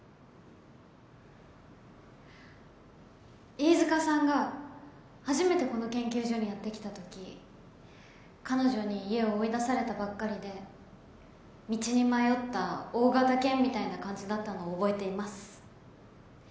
飯塚さんが初めてこの研究所にやってきた時彼女に家を追い出されたばっかりで道に迷った大型犬みたいな感じだったのを覚えています。